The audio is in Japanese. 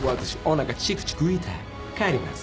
帰ります。